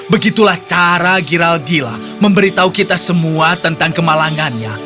begitulah cara giraldilla memberitahu kita semua tentang kemalangannya